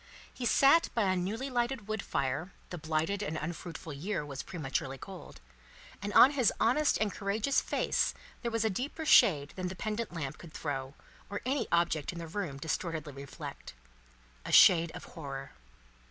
He sat by a newly lighted wood fire (the blighted and unfruitful year was prematurely cold), and on his honest and courageous face there was a deeper shade than the pendent lamp could throw, or any object in the room distortedly reflect a shade of horror.